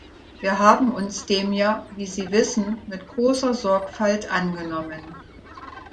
Wir haben uns dem ja — wie Sie wissen — mit großer Sorgfalt angenommen.